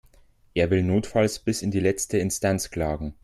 Er will notfalls bis in die letzte Instanz klagen.